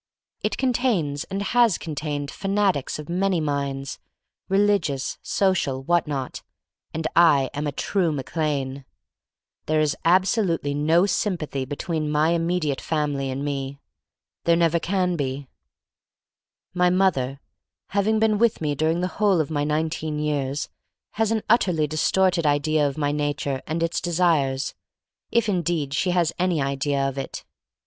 It contains and has contained fanatics of many minds — religious, so cial, whatnot, and I am a true Mac Lane. There is absolutely no sympathy be tween my immediate family and me. There can never be. My mother, hav 8 THE STORY OF MARY MAC LANE ing been with me during the whole of my nineteen years, has an utterly dis torted idea of my nature and its de sires, if indeed she has any idea of it.